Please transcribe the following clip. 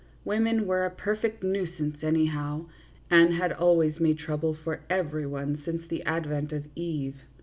Women were a perfect nuisance any how, and had always made trouble for every one since the advent of Eve.